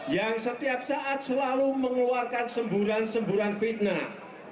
yang setiap saat selalu mengeluarkan semburan semburan fitnah